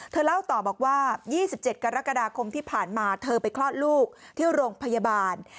เล่าต่อบอกว่า๒๗กรกฎาคมที่ผ่านมาเธอไปคลอดลูกที่โรงพยาบาล